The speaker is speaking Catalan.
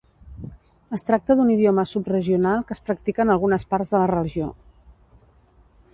Es tracta d'un idioma subregional que es practica en algunes parts de la regió.